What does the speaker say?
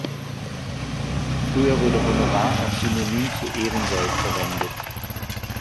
Früher wurde "Honorar" auch synonym zu "Ehrensold" verwendet.